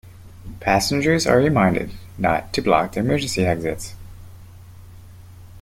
Passengers are reminded not to block the emergency exits.